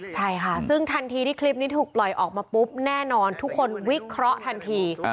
ใช่ค่ะซึ่งทันทีที่คลิปนี้ถูกปล่อยออกมาปุ๊บแน่นอนทุกคนวิเคราะห์ทันที